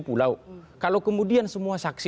pulau kalau kemudian semua saksi